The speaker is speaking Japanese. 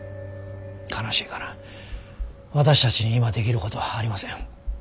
悲しいかな私たちに今できることはありません。